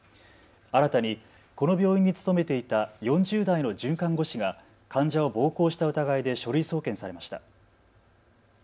新たにこの病院に勤めていた４０代の准看護師が患者を暴行した疑いで書類送検されました。